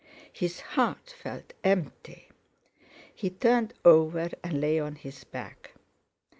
His heart felt empty. He turned over and lay on his back.